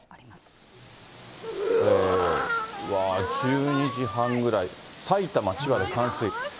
うわー、１２時半ぐらい、埼玉、千葉で冠水。